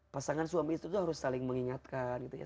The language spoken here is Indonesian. pasangan suami itu harus saling mengingatkan gitu ya